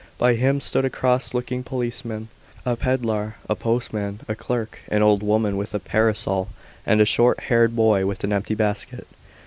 By him stood a cross looking policeman, a pedlar, a postman, a clerk, an old woman with a parasol, and a short haired boy with an empty basket.